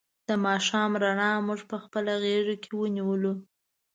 د ماښام رڼا مونږ په خپله غېږ کې ونیولو.